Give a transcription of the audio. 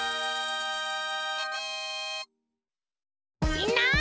みんな！